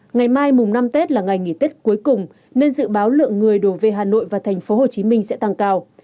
ngày mai mùng năm tết là ngày nghỉ tết cuối cùng nên dự báo lượng người đổ về hà nội và thành phố hồ chí minh sẽ tăng cao